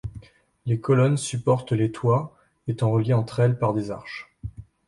Les colonnes supportent le toît, étant reliées entre elles par des arches.